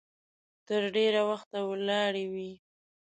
تر ډېره وخته ولاړې وي.